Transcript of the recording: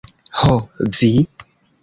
Ho, vi!